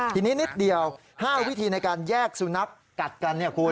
ทีนี้นิดเดียว๕วิธีในการแยกสุนัขกัดกันเนี่ยคุณ